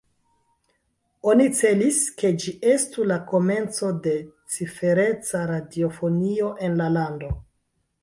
Oni celis, ke ĝi estu la komenco de cifereca radiofonio en la lando.